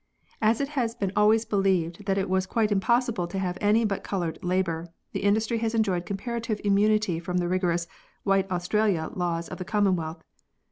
As it has been always believed that it was quite impossible to have any but coloured labour, the industry has enjoyed comparative immunity from the rigorous " white Australia " laws of the Common wealth.